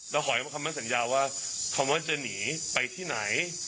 แล้วขอให้คำมั่นสัญญาว่าคำว่าจะหนีไปที่ไหน